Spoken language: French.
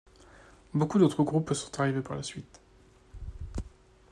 Beaucoup d'autres groupes sont arrivés par la suite.